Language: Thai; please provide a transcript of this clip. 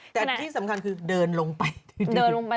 แต่ที่สำคัญคือดึงลงไป